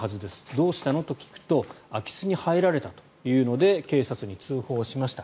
どうしたのと聞くと空き巣に入られたと言うので警察に通報しました。